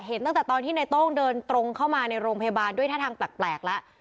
ตั้งแต่ตอนที่ในโต้งเดินตรงเข้ามาในโรงพยาบาลด้วยท่าทางแปลกแล้ว